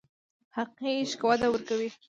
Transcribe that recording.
حقیقي عشق وده ورکوي.